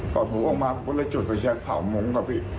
ก่อนพ่อมาผมก็ได้จุดไปแชกเผามงต์กับพี่